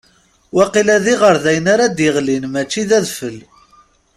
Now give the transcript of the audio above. Waqila d iɣerdayen ara d-iɣlin, mačči d adfel.